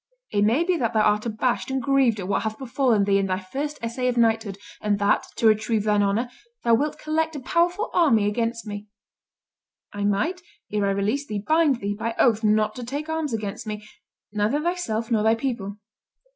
It may be that thou art abashed and grieved at what hath befallen thee in thy first essay of knighthood, and that, to retrieve thine honor, thou wilt collect a powerful army against me. I might, ere I release thee, bind thee by oath not to take arms against me, neither thyself nor thy people.